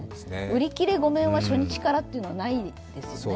売り切れ御免は、初日からというのは、ないですよね。